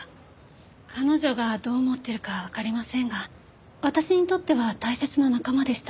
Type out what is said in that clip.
彼女がどう思ってるかはわかりませんが私にとっては大切な仲間でした。